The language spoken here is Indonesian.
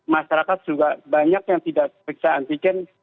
masyarakat juga banyak yang tidak periksa antigen